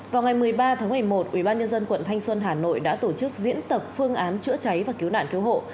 vào ngày một mươi ba tháng một mươi một ubnd quận thanh xuân hà nội đã tổ chức diễn tập phương án chữa cháy và cứu nạn cứu hộ